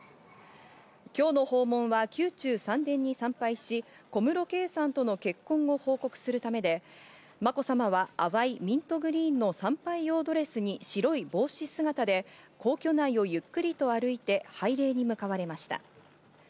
今日の訪問は宮中三殿に参拝し、小室圭さんとの結婚を報告するためで、まこさまは淡いミントグリーンの参拝用ドレスに白い帽子姿で皇居内をゆっくりと歩いて拝礼に向かわれました。